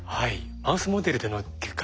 マウスモデルでの結果ですね